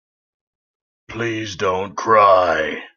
Please don't cry.